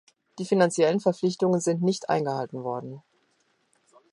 Die finanziellen Verpflichtungen sind nicht eingehalten worden.